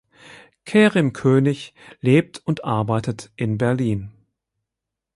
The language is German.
Kerim König lebt und arbeitet in Berlin.